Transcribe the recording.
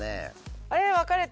あれ分かれた？